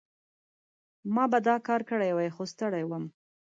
ما به دا کار کړی وای، خو ستړی وم.